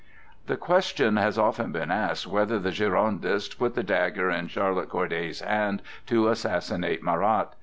The question has often been asked whether the Girondists put the dagger in Charlotte Corday's hand to assassinate Marat.